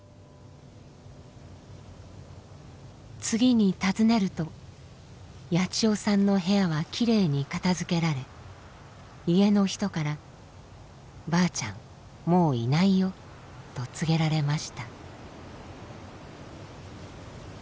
次に訪ねるとヤチヨさんの部屋はきれいに片づけられ家の人から「ばあちゃんもういないよ」と告げられました。